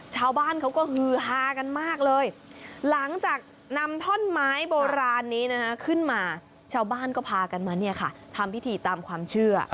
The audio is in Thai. ชาวบ้านเขาก็ฮือฮากันมากเลยหลังจากนำท่อนไม้โบราณนี้นะฮะขึ้นมาชาวบ้านก็พากันมาเนี่ยค่ะทำพิธีตามความเชื่อ